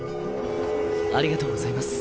ありがとうございます